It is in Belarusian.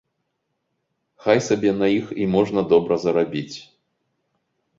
Хай сабе на іх і можна добра зарабіць.